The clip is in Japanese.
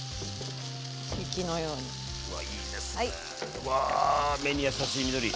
うわあ目に優しい緑。